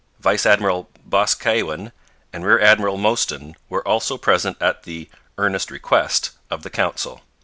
Vice Admiral Boscawen and Rear Admiral Mostyn were also present at the 'earnest request' of the Council.